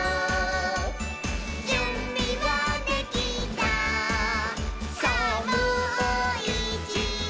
「じゅんびはできたさぁもういちど」